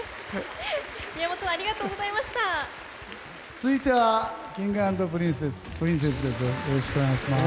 続いてはＫｉｎｇ＆Ｐｒｉｎｃｅです。